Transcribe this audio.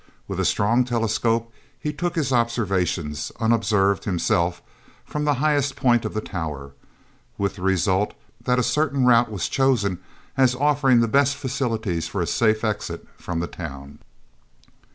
With a strong telescope he took his observations, unobserved himself, from the highest point of the tower, with the result that a certain route was chosen as offering the best facilities for a safe exit from the town.